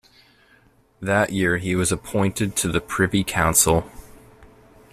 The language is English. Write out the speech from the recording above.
That year he was appointed to the Privy Council.